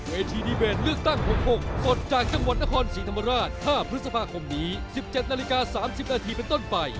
ทีดีเบตเลือกตั้ง๖๖ปลดจากจังหวัดนครศรีธรรมราช๕พฤษภาคมนี้๑๗นาฬิกา๓๐นาทีเป็นต้นไป